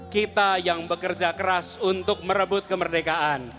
kita yang bekerja keras untuk merebut kemerdekaan